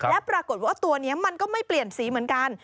และปรากฏว่าตัวนี้มันก็ไม่เปลี่ยนสีเหมือนกัน